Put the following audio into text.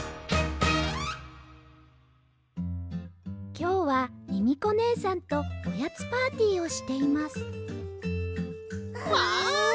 きょうはミミコねえさんとおやつパーティーをしていますわあ！